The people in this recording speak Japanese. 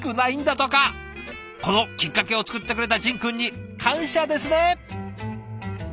このきっかけを作ってくれた仁君に感謝ですね！